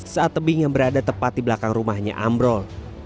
saat tebing yang berada tepat di belakang rumahnya ambrol